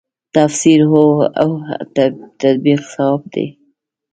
تفسیر هو هو تطبیق صواب وي.